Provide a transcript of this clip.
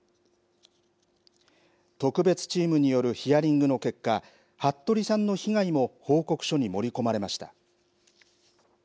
特別チームによるヒアリングの結果、服部さんの被害も報告書に盛り込まれました。